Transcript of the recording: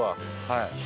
はい。